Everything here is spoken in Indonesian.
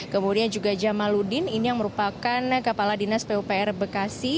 kemudian juga jamaludin ini yang merupakan kepala dinas pupr bekasi